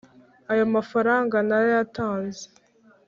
Ayo mafaranga narayatanze